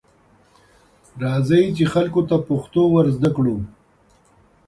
راځئ، چې خلکو ته پښتو ورزده کړو.